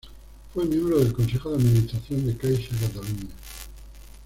Fue miembro del consejo de administración de Caixa Catalunya.